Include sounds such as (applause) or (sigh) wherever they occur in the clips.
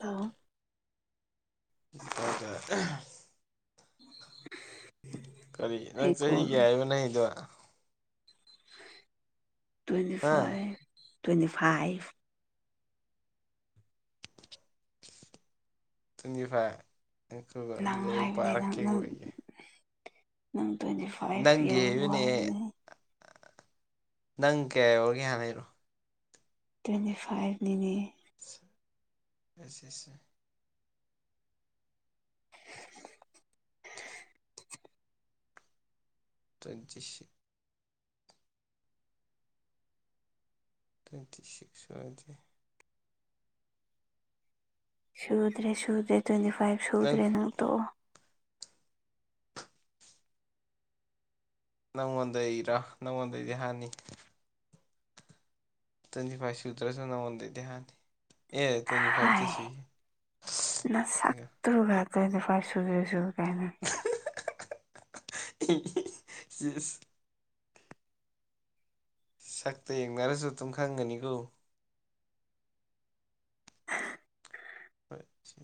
hello ꯇꯥꯏ ꯇꯥꯏ (inaudible) ꯀꯔꯤ ꯅꯪ ꯑꯩ ꯆꯍꯤ ꯀꯣꯜ ꯀꯌꯥꯒꯤꯅꯣ ꯅꯪꯒꯤꯗꯣ ꯇ꯭ꯋꯦꯟꯇꯤ ꯍꯥ five twenty five twenty five ꯉꯥꯏꯈꯣꯀꯣ ꯅꯪ ꯑꯗꯨꯗꯤ ꯑꯩ ꯍꯥꯏꯕꯅꯦ ꯅꯪ ꯄꯥꯔꯛꯀꯦꯀꯣ ꯅꯪ ꯑꯩꯒꯤ ꯅꯪ ꯇ꯭ꯋꯦꯟꯇꯤ ꯐꯥꯏꯚ ꯌꯧꯔꯕꯣ ꯍꯥꯏꯕꯅꯦ ꯅꯪ ꯀꯌꯥ ꯌꯧꯔꯒꯦ ꯍꯥꯟꯅ ꯍꯥꯏꯔꯣ ꯇ꯭ꯋꯦꯟꯇꯤ ꯐꯥꯏꯚꯅꯤꯅꯦ ꯑꯁ ꯑꯁ ꯇ꯭ꯋꯦꯟꯇꯤ ꯁꯤꯛ ꯇ꯭ꯋꯦꯟꯇꯤ ꯁꯤꯛꯁ ꯑꯣꯏꯔꯗꯤ ꯁꯨꯗ꯭ꯔꯦ ꯁꯨꯗ꯭ꯔꯦ ꯇ꯭ꯋꯦꯟꯇꯤ ꯐꯥꯏꯚ ꯁꯨꯗ꯭ꯔꯦ ꯅꯪ ꯇꯣꯛꯑꯣ ꯅꯪꯉꯣꯟꯗꯩꯩꯔꯥ ꯅꯪꯉꯣꯟꯗꯩꯗꯤ ꯍꯟꯅꯤ ꯇ꯭ꯋꯦꯟꯇꯤ ꯐꯥꯏꯚ ꯁꯨꯇ꯭ꯔꯁꯨ ꯅꯉꯣꯟꯗꯩꯩꯗꯤ ꯍꯟꯅꯤ ꯑꯦ ꯇ꯭ꯋꯦꯟꯇꯤ ꯐꯥꯏꯚꯇꯤ ꯍꯥꯏ ꯁꯨꯏ ꯅꯁꯛꯇꯨꯒ ꯇ꯭ꯋꯦꯟꯇꯤ ꯐꯥꯏꯚ ꯁꯨꯗ꯭ꯔꯁꯨ ꯀꯥꯏꯅ (unintelligible) ꯁꯛꯇ ꯌꯦꯡꯅꯔꯁꯨ ꯑꯗꯨꯝ ꯈꯪꯒꯅꯤꯀꯣ ꯍꯣꯏ ꯁꯤ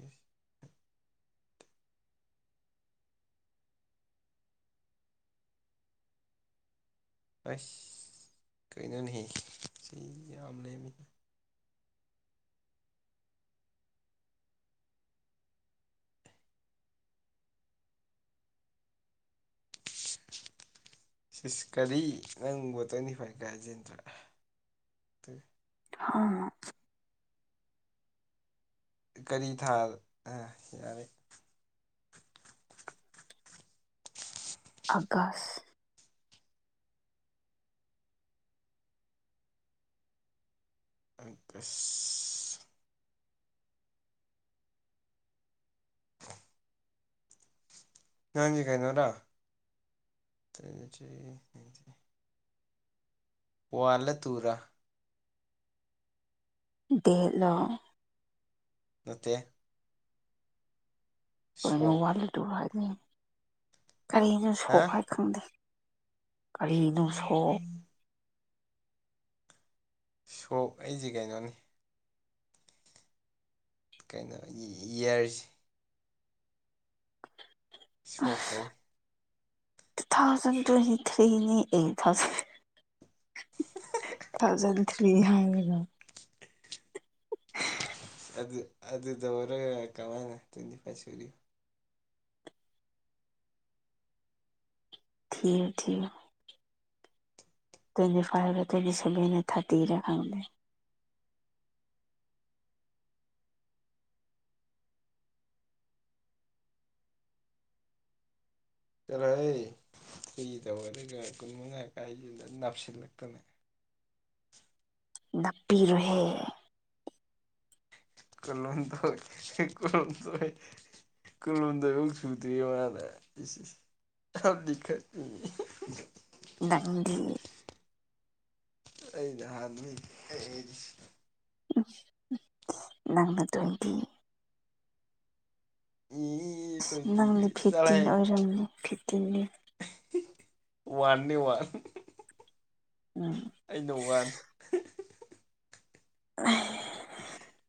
ꯑꯁ ꯀꯩꯅꯣꯅꯦꯍꯦ (unintelligible) ꯁꯤꯁ ꯀꯔꯤ ꯅꯪꯕꯣ ꯇ꯭ꯋꯦꯟꯇꯤ ꯐꯥꯏꯚꯀ ꯍꯥꯏꯖꯤꯟꯗ꯭ꯔ ꯍ ꯀꯔꯤ ꯊꯥꯗ ꯑ ꯌꯥꯔꯦ ꯑꯥꯒꯁ ꯑꯥꯒꯁꯠ (inaudible) ꯅꯥꯪꯖꯦ ꯀꯩꯅꯣꯗ ꯇ꯭ꯋꯦꯟꯇꯤ ꯊ꯭ꯔꯤ ꯇ꯭ꯋꯦꯟꯇꯤ ꯋꯥꯟꯂ ꯇꯨꯔ ꯗꯦꯠꯂꯣ ꯅꯠꯇꯦ ꯀꯔꯤꯅꯣ ꯁꯣꯛ ꯋꯥꯜꯂꯣ ꯇꯨꯔꯣ ꯍꯥꯏꯗꯤ ꯀꯔꯤꯅꯣ ꯍꯥ ꯁꯣꯛ ꯍꯥꯏ ꯈꯪꯗꯦ ꯀꯔꯤꯅꯣ ꯁꯣꯛ ꯁꯣꯛ ꯑꯩꯖꯦ ꯀꯩꯅꯣꯅꯤ ꯀꯩꯅꯣ ꯏꯌꯔꯖꯦ ꯁꯣꯛ ꯀꯧꯏ ꯇꯨ ꯊꯥꯎꯖꯟ ꯇ꯭ꯋꯦꯟꯇꯤ ꯊ꯭ꯔꯤꯅꯤ ꯑꯩ ꯊꯥꯎꯖ ꯊꯥꯎꯖꯟ ꯊ꯭ꯔꯤ ꯍꯥꯏꯔꯒ ꯑꯗꯨ ꯑꯗꯨꯗ ꯑꯣꯏꯔ ꯀꯃꯥꯏꯅ ꯇ꯭ꯋꯦꯟꯇꯤ ꯐꯥꯏꯚ ꯁꯨꯔꯤꯕ ꯊ ꯊ (unintelligible) ꯇ꯭ꯋꯦꯟꯇꯤ ꯐꯥꯏꯄ ꯇ꯭ꯋꯦꯟꯇꯤ ꯁꯚꯦꯟꯗ ꯊꯔꯇꯤꯔ ꯈꯪꯗꯦ ꯆꯠꯂꯣꯍꯣꯏ ꯁꯤꯒꯤ ꯇꯧ ꯑꯗꯨꯒꯒ ꯀꯨꯟꯃꯉꯥ ꯀꯥꯏꯁꯤꯗ ꯅꯅꯥꯞꯁꯤꯜꯂꯛꯀꯅꯤ ꯅꯞꯄꯤꯔꯣꯍꯦ ꯀꯗ ꯀ ꯇꯣꯏ (unintelligible) ꯀꯜꯣꯗ ꯁꯨꯗ꯭ꯔꯤ ꯋꯥꯔ (unintelligible) ꯑ ꯂꯤꯈ (unintelligible) ꯅꯪꯗꯤ ꯑꯩꯅꯦ ꯍꯥꯟꯅꯤꯗꯤ ꯅꯪꯅ ꯇꯨꯋꯦꯟꯇꯤ ꯏ ꯑꯁ ꯇꯨꯋꯦꯟꯇꯤ ꯅꯪꯗꯤ ꯐꯤꯐꯇꯤꯟ ꯆꯠꯂꯣꯍꯩ ꯑꯣꯏꯔꯝꯅꯤ ꯐꯤꯐꯇꯤꯟꯅꯤ ꯋꯥꯟ ꯅꯦ ꯋꯥꯟ ꯎꯝ ꯑꯩꯅ ꯋꯥꯟ ꯑ (inaudible) (inaudible)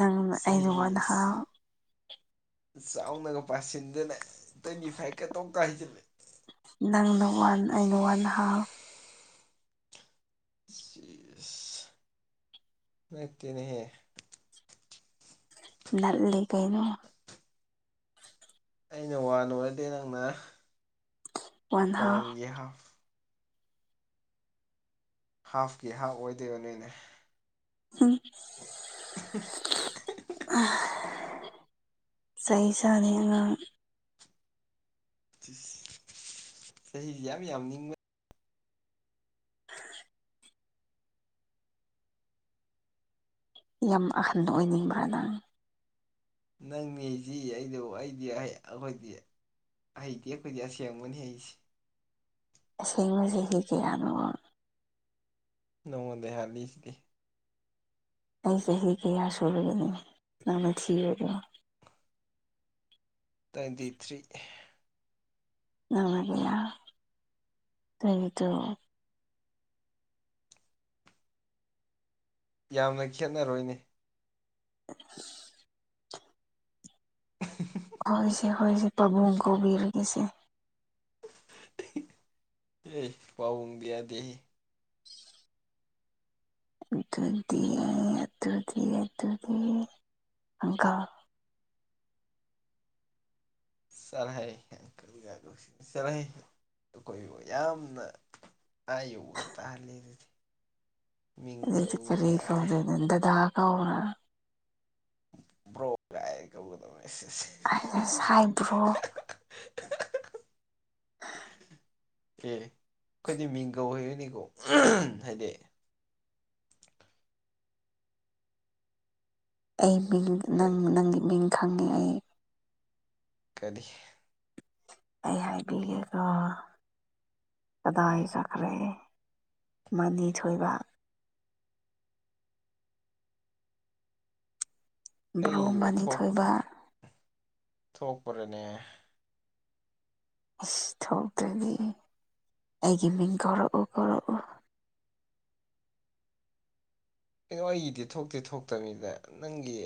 ꯅꯪꯅ ꯑꯩꯅ ꯋꯥꯟ ꯁꯍꯁ (unintelligible) ꯍꯥꯐ ꯆꯥꯎꯅꯒ ꯄꯥꯁꯤꯟꯗꯅ ꯇ꯭ꯋꯦꯟꯇꯤ ꯐꯥꯏꯚꯀ ꯇꯣꯛ ꯍꯥꯏꯖꯤꯜꯂꯤ ꯅꯪꯅ ꯋꯥꯟ ꯑꯩꯅ ꯋꯥꯟ ꯍꯥꯞ ꯅꯠꯇꯅꯦꯍꯦ ꯅꯠꯂꯤ ꯀꯩꯅꯣ ꯑꯩꯅ ꯋꯥ ꯑꯣꯏꯔꯗꯤ ꯅꯪꯅ ꯋꯥꯟ ꯍꯥꯐ ꯋꯥꯟꯒꯤ ꯍꯥꯞ ꯍꯥꯐꯀꯤ ꯍꯥꯞ ꯑꯣꯏꯗꯣꯏꯕ ꯅꯣꯏꯅ ꯎꯝ (inaudible) ꯆꯩ ꯆꯥꯅꯤ ꯅꯪ ꯆꯍꯤꯗꯤ ꯌꯥꯝ ꯌꯥꯝ ꯅꯤꯡꯕ (inaudible) ꯌꯥꯝ ꯑꯍꯟꯕ ꯑꯣꯏꯅꯤꯡꯕꯔꯥ ꯅꯪ ꯅꯪꯅꯤ ꯑꯩꯗꯣ ꯑꯩꯗꯤ ꯑꯩꯈꯣꯏꯗꯤ ꯑꯩꯗꯤ ꯑꯩꯈꯣꯏꯗꯤ ꯑꯁꯦꯡꯕꯅꯤ ꯍꯥꯏꯁꯤ ꯑꯁꯦꯡꯕꯕꯁꯤꯦꯗꯤ ꯀꯌꯥꯅꯣ (unintelligible) ꯅꯥꯉꯣꯟꯗꯩꯩ ꯍꯜꯂꯤꯁꯤꯗꯤ ꯅꯪ ꯆꯍꯤ ꯀꯌꯥ ꯁꯨꯔꯒꯅꯦ ꯅꯪꯅ ꯊꯤꯕꯗ ꯇ꯭ꯋꯏꯦꯟꯇꯤ ꯊ꯭ꯔꯤ ꯅꯅꯥꯒ ꯇꯣ (unintelligible) ꯌꯥꯝꯅ ꯈꯦꯠꯅꯔꯣꯏꯅꯦ (inaudible) ꯍꯣꯏꯁꯦ ꯍꯣꯏꯁꯦ ꯄꯥꯕꯨꯡ ꯀꯧꯕꯤꯔꯒꯦꯁꯦ ꯑꯦ ꯄꯥꯕꯨꯡꯗꯤ ꯌꯥꯗꯦ ꯑꯗꯨꯗꯤ ꯑꯗꯨꯠꯗꯤ ꯑꯗꯨꯠꯗꯤ ꯑꯟꯀꯜ ꯆꯠꯂꯍꯩ ꯑꯡꯀꯜꯒ ꯀꯧꯁꯟꯗꯅ ꯆꯠꯂꯥꯍꯩ ꯑꯈꯣꯏꯕꯨ ꯌꯥꯝꯅꯥ ꯑꯥ ꯌꯧꯕꯒꯥ ꯇꯜꯂꯦ ꯑꯗꯨꯗꯤ ꯃꯤꯡ ꯑꯗꯨꯗꯤ ꯀꯔꯤ ꯀꯧꯅꯒ ꯀꯧꯗꯣꯏꯅꯣ ꯗꯥꯗꯥ ꯀꯧꯔꯣꯔꯥ ꯭ꯔꯣꯒꯥꯏ ꯀꯕꯨꯗ ꯃꯁꯁ (unintelligible) ꯍꯥꯏꯗꯁ ꯍꯥꯏꯗ꯭ꯔꯣ (unintelligible) ꯑ (inaudible) ꯑꯦ ꯑꯩꯈꯣꯏꯗꯤ ꯃꯤꯡꯒꯧ (unintelligible) ꯑꯩ ꯃꯤꯡ ꯅꯪ ꯅꯪꯒꯤ ꯃꯤꯡ ꯈꯪꯉꯦ ꯑꯩ ꯀꯔꯤ ꯑꯩ ꯍꯥꯏꯒ ꯀꯗꯥ ꯎꯝ ꯁ ꯈꯔꯦ ꯃꯗꯤ ꯊꯣꯏꯕ ꯕ꯭ꯔꯣ ꯑꯩꯒꯤ ꯑꯅꯤꯊꯣꯏꯕ ꯊꯣꯛꯄ꯭ꯔꯦꯅꯦ ꯑꯁ ꯊꯣꯛꯇꯗꯤ ꯑꯩꯒꯤ ꯃꯤꯡ ꯀꯧꯔꯛꯎ ꯀꯧꯔꯛꯎ ꯀꯩꯅꯣ ꯑꯩꯒꯤꯗꯤ ꯊꯣꯛꯇꯦ ꯊꯣꯛꯇꯅꯤꯗ ꯅꯪꯒꯤ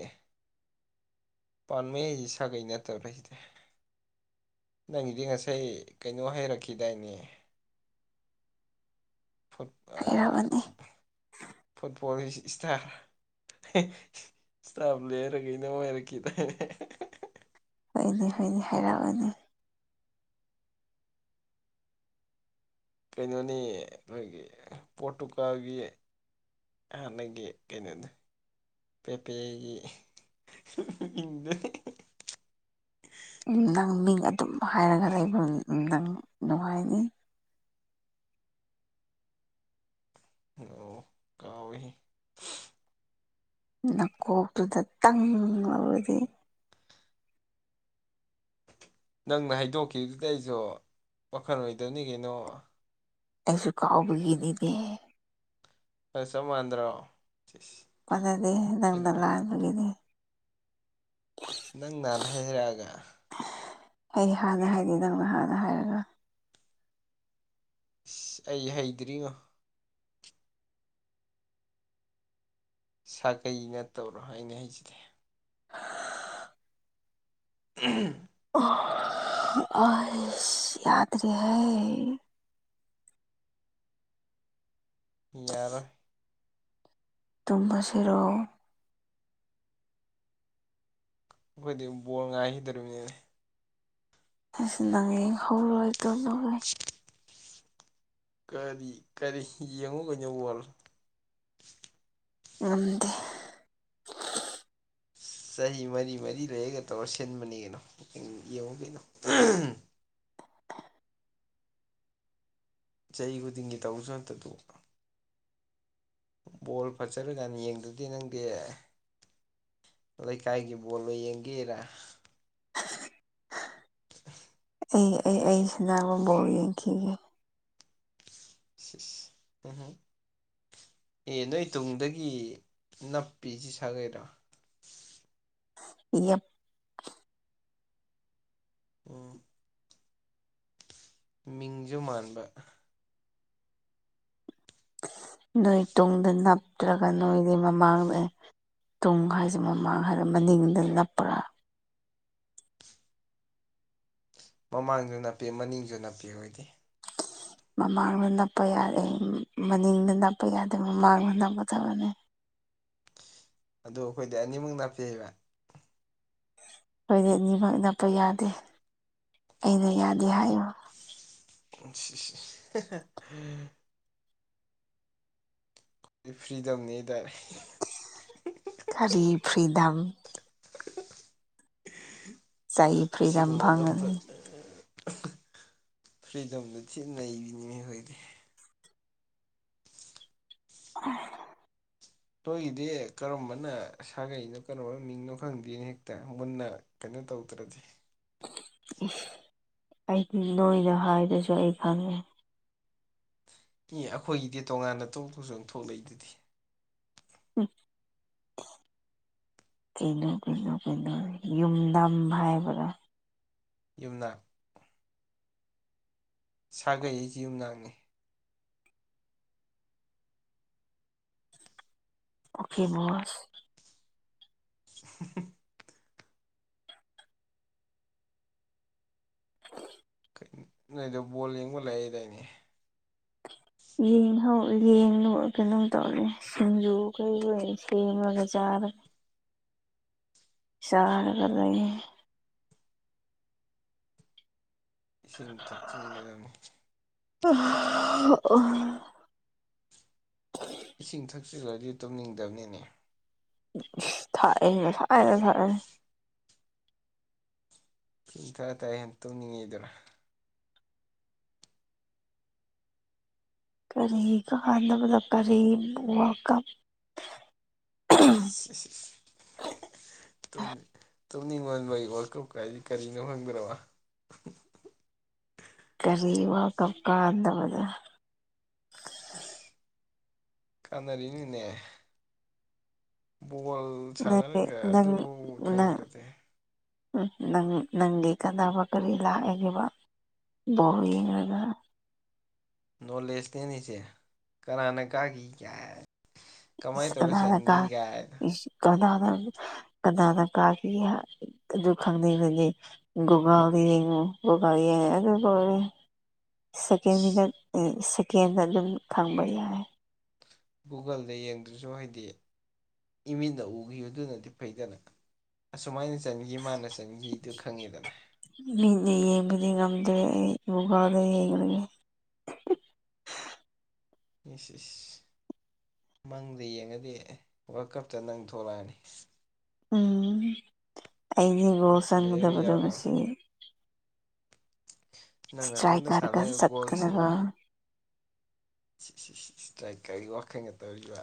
ꯄꯥꯟꯩ ꯍꯥꯏꯁꯤ ꯁꯥꯒꯩ ꯅꯠꯇꯕ꯭ꯔꯥ ꯁꯤꯗꯤ ꯅꯪꯒꯤꯗꯤ ꯉꯁꯥꯏ ꯀꯩꯅꯣ ꯍꯩꯔꯛꯈꯤꯗꯥꯏꯅꯦ ꯍꯥꯏꯔꯛꯑꯣꯅꯦ ꯐꯨꯠꯕꯣꯜ ꯏꯁ ꯏꯁꯇꯥꯔ ꯏꯁꯇꯥꯕ ꯂꯦꯔꯒꯩꯅ ꯑꯣꯏꯔꯛꯈꯤꯗꯅꯦ ꯍꯣꯏꯅꯤ ꯍꯣꯏꯅꯤ ꯍꯥꯏꯔꯛꯑꯅꯤ ꯀꯩꯅꯣꯅꯤ ꯑꯩꯈꯣꯏꯒꯤ ꯄꯣꯔꯇꯨꯀꯜꯒꯤ ꯍꯥꯟꯅꯒꯤ ꯀꯩꯅꯣꯗ ꯄꯦꯄꯦꯒꯤ ꯨꯝ ꯅꯪ ꯃꯤꯡ ꯑꯗꯨꯝ ꯍꯥꯏꯔꯒ ꯂꯩ ꯑꯩꯕꯨꯗꯪ ꯅꯨꯡꯉꯥꯏꯅꯤ ꯑꯣ ꯀꯥꯎꯍ ꯅꯀꯣꯛꯇꯨꯗ ꯇꯪ ꯂꯧꯔꯗꯤ ꯅꯪꯅ ꯍꯥꯏꯗꯣꯛꯈꯤꯕꯗꯨꯗ ꯑꯩꯁꯨ ꯋꯥꯈꯜ ꯑꯣꯏꯗꯕꯅꯤ ꯀꯩꯅꯣ ꯑꯩꯁꯨ ꯀꯥꯎꯕꯒꯤꯅꯤꯅꯦ ꯐ ꯆꯞ ꯃꯥꯟꯗ꯭ꯔꯣ ꯐꯖꯗꯤ ꯅꯪꯗ ꯑꯩꯉꯣꯟ ꯂꯥꯛꯕꯒꯤꯗꯤ ꯑ ꯅꯪ ꯅꯍꯥꯟ ꯍꯥꯏ ꯍꯥꯏꯔꯛꯑꯒ ꯑꯩ ꯍꯥꯟꯅ ꯍꯥꯏꯗꯤꯦ ꯅꯪꯅ ꯍꯥꯟꯅ ꯍꯥꯏꯔꯒ ꯑꯁ ꯑꯩ ꯍꯩꯇ꯭ꯔꯤꯉꯣ ꯁꯥꯒꯩ ꯅꯠꯇꯧꯔꯣ ꯑꯩꯅ ꯍꯥꯏꯖꯂꯦ ꯎ ꯑꯩ ꯌꯥꯗꯔꯤ ꯍꯥꯏꯦ ꯌꯥꯔ ꯇꯨꯝꯕ ꯁꯔꯣ ꯑꯩꯈꯣꯏꯗꯤ ꯕꯜ ꯉꯥꯏꯈꯤꯗꯧꯔꯤꯕꯅꯤꯅꯦ ꯑꯩꯁ ꯅꯪ ꯌꯦꯡ ꯍꯧꯧꯔꯣꯏꯗꯣꯂꯣ ꯀꯔꯤ ꯀꯔꯤ ꯌꯦꯡꯉꯨꯒꯅ ꯋꯥꯂꯣ ꯑꯗꯤ ꯆꯍꯤ ꯃꯔꯤ ꯃꯔꯤ ꯂꯩꯔꯒ ꯇꯧꯔ ꯁꯤꯟꯕꯅꯤ ꯀꯩꯅꯣ ꯌꯦꯡꯉꯨ ꯀꯩꯅꯣ ꯆꯍꯤ ꯈꯨꯗꯤꯡꯒꯤ ꯇꯧꯁꯨ ꯅꯠꯇꯗ ꯕꯣꯜ ꯐꯠꯆꯔꯀꯥꯟ ꯌꯦꯡꯗꯗꯤ ꯅꯪꯗꯤ ꯂꯩꯀꯥꯏꯒꯤ ꯕꯣꯜꯂꯣ ꯌꯦꯡꯒꯦꯔꯥ ꯑꯩ ꯑꯩ ꯑꯩ ꯁꯅꯥꯃ ꯥꯎ ꯌꯦꯡꯈꯤꯒꯦ ꯎ ꯑꯦ ꯅꯣꯏ ꯇꯨꯡꯗꯒꯤ ꯅꯞꯄꯤꯁꯤ ꯁꯥꯒꯩꯔꯥ ꯏ ꯑꯣ ꯃꯤꯡꯁꯨ ꯃꯥꯟꯕ ꯅꯣꯏ ꯇꯨꯡꯗ ꯅꯞꯇ꯭ꯔꯒ ꯅꯣꯏꯗꯤ ꯃꯃꯥꯡꯗ ꯇꯨꯡ ꯍꯥꯏꯁꯦ ꯃꯃꯥꯡ ꯍꯥꯏꯔ ꯃꯅꯤꯡꯗ ꯅꯞꯄ꯭ꯔꯥ ꯃꯃꯥꯡꯁꯨ ꯅꯥꯄꯤ ꯃꯅꯤꯡꯁꯨ ꯅꯥꯄꯤ ꯑꯣꯏꯗꯤ ꯃꯃꯥꯡꯗ ꯅꯞꯄ ꯌꯥꯗꯦ ꯃꯅꯤꯡꯗ ꯅꯞꯄ ꯌꯥꯗꯦ ꯃꯃꯥꯡꯗ ꯅꯞꯀꯗꯕꯅꯤ ꯑꯗꯨ ꯑꯩꯈꯣꯏꯗꯤ ꯑꯅꯤꯃꯨꯛ ꯅꯥꯞꯄꯤꯕ ꯑꯩꯣꯏꯗꯤ ꯑꯅꯤꯃꯛ ꯅꯞꯄ ꯌꯥꯗꯦ ꯑꯩꯅ ꯌꯥꯗꯦ ꯍꯥꯏꯌꯨ ꯎꯁꯤ ꯑꯩ ꯐ꯭ꯔꯤꯗꯝꯅꯤꯗꯔꯩ ꯀꯔꯤ ꯐ꯭ꯔꯤꯗꯝꯝ ꯆꯩ ꯐ꯭ꯔꯤꯗꯝ ꯁꯤꯒꯃꯅ ꯐꯪꯉꯅꯤ ꯐ꯭ꯔꯤꯗꯝꯗ ꯊꯤ ꯅꯩꯔꯤꯅꯤꯅꯦ ꯑꯩꯈꯣꯏꯗꯤ ꯑ ꯅꯣꯏꯒꯤꯗꯤ ꯀꯔꯝꯕꯅ ꯁꯥꯒꯅꯣ ꯀꯔꯝꯕꯅ ꯃꯤꯡꯅꯣ ꯈꯪꯗꯦꯅ ꯍꯦꯛꯇ ꯃꯨꯟꯅ ꯀꯩꯅꯣ ꯇꯧꯗ꯭ꯔꯗꯤ ꯑꯩꯗꯤ ꯅꯣꯏꯗ ꯍꯥꯏꯗꯨꯁꯨ ꯑꯩ ꯐꯪꯉꯦ ꯏ ꯑꯩꯈꯣꯏꯒꯤꯗꯤ ꯇꯣꯉꯥꯟꯅ ꯇꯧ ꯇꯧꯁꯨꯪ ꯊꯣꯛꯣꯛꯂꯛꯏꯗꯨꯗꯤ ꯎꯝ ꯀꯩꯅꯣ ꯀꯩꯅꯣ ꯀꯩꯅꯣ ꯌꯨꯝꯗꯝ ꯍꯥꯏꯕꯗꯥ ꯌꯨꯝꯗ ꯁꯥꯒꯩ ꯑꯩꯁꯤ ꯌꯨꯝꯅꯥꯛꯅꯤ ꯑꯣꯈꯤꯦ ꯣꯁ (inaudible) ꯅꯣꯏꯗ ꯕꯣꯜ ꯌꯦꯡꯕ ꯂꯩꯏꯗꯥꯏꯅꯦ ꯌꯦ ꯌꯦꯡ ꯀꯩꯅꯣꯝ ꯇꯧꯒꯦ ꯁꯖꯣꯛꯁꯒꯖꯔ ꯆꯥꯔꯒ ꯂꯩ ꯏꯁꯤꯡ ꯊꯛꯆꯤꯟꯒꯗꯕꯅꯤ (inaudible) ꯏꯁꯤꯡ ꯊꯛꯆꯜꯂꯗꯤ ꯇꯨꯝꯅꯤꯡꯗꯕꯅꯤꯅꯦ ꯊꯥꯛꯑꯦ ꯃ ꯊꯥꯏꯅ ꯊꯥꯛꯑꯦ ꯄ ꯊꯔ ꯊꯔꯦ ꯍꯦ ꯇꯧꯅꯤꯡꯉꯤꯗꯨꯔꯥ ꯀꯔꯤ ꯀꯥꯟꯗꯅꯕꯗ ꯀꯔꯤ ꯋꯥ ꯀ ꯁꯤ ꯇꯨꯝꯅꯤꯡꯉꯣꯟꯕꯒꯤ ꯋꯥ ꯀꯨꯞ ꯀꯥꯏꯗꯤ ꯀꯔꯤꯅꯣ ꯈꯪꯗ꯭ꯔꯕ ꯀꯔꯤ ꯋꯥ ꯀꯞ ꯀꯥꯗꯕꯗ ꯀꯥꯟꯅꯔꯤꯅꯤꯅꯦ ꯕꯣꯜ ꯅꯪꯒꯤ ꯁꯥꯟꯅꯔꯒ ꯅꯪ ꯑꯗꯨ ꯈꯪꯗ꯭ꯔꯗꯤ ꯎ ꯅꯪ ꯅꯪꯒꯤ ꯀꯥꯟꯅꯕ ꯀꯔꯤ ꯂꯥꯛꯑꯒꯕ ꯣ ꯍꯥꯏꯒ ꯅꯣꯂꯦꯖꯅꯦꯅꯤꯁꯦ ꯀꯅꯥꯅ ꯀꯥꯈꯤꯒꯦ ꯀꯃꯥꯏ ꯏꯁ ꯇꯧꯔ ꯀꯅꯥꯅ ꯀꯥ ꯁꯟꯒꯥꯏ ꯏꯁ ꯀꯅꯥꯅ ꯀꯅꯥꯅ ꯀꯥꯈꯤ ꯑꯗꯨ ꯈꯪꯅꯤꯡꯕꯅꯤ ꯒꯥꯔꯤ ꯒꯥꯔꯤ ꯑꯦꯗꯤ ꯀꯣꯦ ꯁꯦꯀꯦꯟ ꯏꯁ ꯃꯤꯅꯠ ꯁꯦꯀꯦꯟꯗ ꯑꯗꯨꯝ ꯈꯪꯕ ꯌꯥꯏ ꯒꯨꯒꯜꯗ ꯌꯦꯡꯗ꯭ꯔꯁꯨ ꯍꯥꯏꯗꯤ ꯏꯃꯤꯗ ꯎꯈꯤꯕ ꯑꯗꯨꯅꯗꯤ ꯐꯩꯗꯅ ꯑꯁꯨꯃꯥꯏꯅ ꯆꯟꯈꯤ ꯃꯥꯅ ꯆꯟꯈꯤꯗꯨ ꯈꯪꯉꯤꯗꯅ ꯃꯤꯅ ꯌꯦꯡꯕꯗꯤ ꯉꯝꯗ꯭ꯔꯦ ꯑꯩ ꯌꯣꯒꯥꯗ ꯌꯦꯡꯒꯦ ꯃꯤꯁꯁ ꯃꯪꯗꯤ ꯌꯦꯡꯉꯗꯤ ꯋꯥꯔꯜ ꯀꯞꯇ ꯅꯪ ꯊꯣꯛꯂꯛꯑꯅꯤ ꯎꯝ ꯑꯩꯗꯤ ꯒꯣꯜ ꯄ꯭ꯂꯦꯌꯔ ꯆꯪꯒꯗꯕꯗꯣ ꯉ ꯌꯥꯎꯔꯔꯣꯏ ꯅꯪ ꯏꯁꯇ꯭ꯔꯥꯏ ꯅꯇꯣꯝꯇ ꯀꯥꯔꯒ ꯁꯥꯟꯅꯔꯒ ꯒꯣꯜ ꯆꯠꯀꯗꯒ ꯁꯤ ꯁꯤ ꯇꯥꯏ ꯀꯔꯤ ꯋꯥꯈꯜꯒ ꯇꯧꯔꯤꯕ